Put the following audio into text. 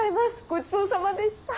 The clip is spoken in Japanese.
ごちそうさまでした。